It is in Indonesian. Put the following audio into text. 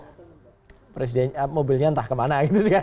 waktu itu juga mobilnya entah kemana